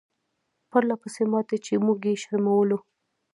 پرله پسې ماتې چې موږ یې شرمولو.